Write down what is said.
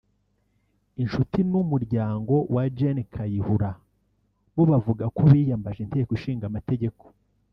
Inshuti n’umuryango wa Gen Kayihura bo bavuga ko biyambaje Inteko ishinga amategeko